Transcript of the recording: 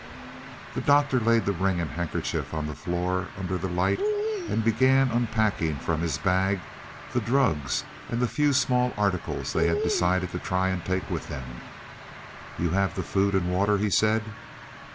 The Doctor laid the ring and handkerchief on the floor under the light and began unpacking from his bag the drugs and the few small articles they had decided to try and take with them. "You have the food and water," he said.